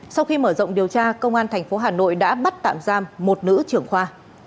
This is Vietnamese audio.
sau khi mở rộng điều tra công an tp hà nội đã bắt tạm giam một nữ trưởng khoa